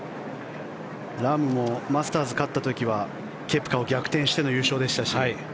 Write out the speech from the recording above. ラームもマスターズ勝った時はケプカを逆転してでの優勝でしたし。